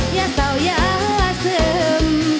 ยาเซายาเสิม